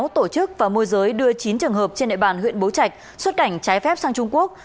bắt giữ tổ chức và môi giới đưa chín trường hợp trên đại bàn huyện bố trạch xuất cảnh trái phép sang trung quốc